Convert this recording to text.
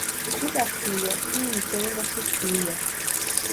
Diga filha e entenda-se filha.